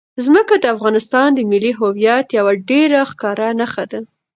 ځمکه د افغانستان د ملي هویت یوه ډېره ښکاره نښه ده.